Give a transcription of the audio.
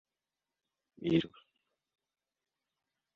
Se conocen únicamente por secuencias genómicas recogidas del medio ambiente.